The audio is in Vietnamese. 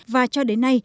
và cho đến nay